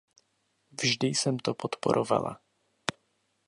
Vždy jsem to podporovala.